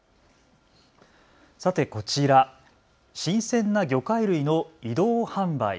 さて、こちら、新鮮な魚介類の移動販売。